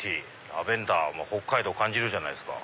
ラベンダー北海道感じるじゃないですか。